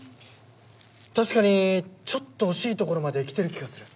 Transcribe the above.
確かにちょっと惜しい所まで来てる気がする。